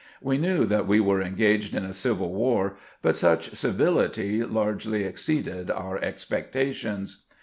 "We knew that we were engaged in a civU war, but such civUity largely exceeded bur expectations.